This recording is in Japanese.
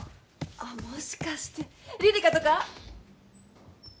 あっもしかしてリリカとか？